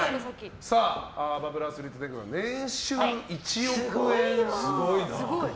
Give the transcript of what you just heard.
バブル・アスリート天狗の年収１億円。